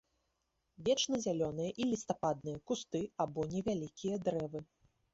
Вечназялёныя і лістападныя кусты або невялікія дрэвы.